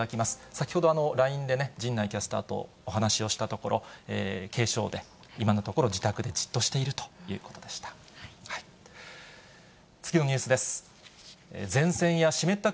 先ほど、ＬＩＮＥで陣内キャスターとお話をしたところ、軽症で、今のところ自宅でじっとしているということでした。